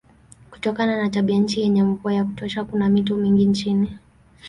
Kutokana na tabianchi yenye mvua ya kutosha kuna mito mingi nchini.